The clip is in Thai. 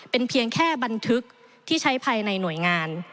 เป็นเพียงแค่บันทึกที่ใช้ภายในหน่วยงาน